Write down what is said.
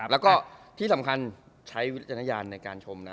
แล้วก็ที่สำคัญใช้วิจารณญาณในการชมนะ